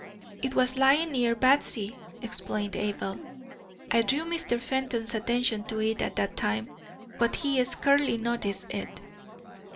"It was lying near Batsy," explained Abel. "I drew Mr. Fenton's attention to it at the time, but he scarcely noticed it."